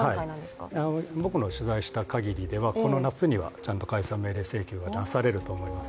僕の取材したかぎりではこの夏には、ちゃんと解散命令請求が出されると思います